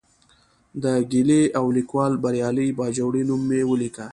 د ګیلې او لیکوال بریالي باجوړي نوم مې ولیکه.